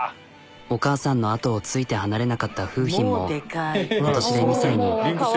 お母さんの後をついて離れなかった楓浜も今年で２歳に。